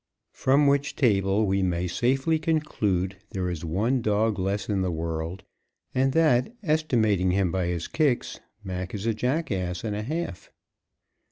_ From which table we may safely conclude there is one dog less in the world, and that, estimating him by his kicks, Mac is a jackass and a half.